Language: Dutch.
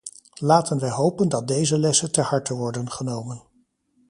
Laten wij hopen dat deze lessen ter harte worden genomen.